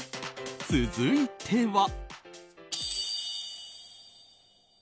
続いては。